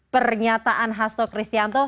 pernyataan hasto kristianto